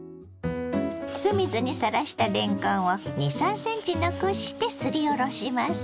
酢水にさらしたれんこんを２３ｃｍ残してすりおろします。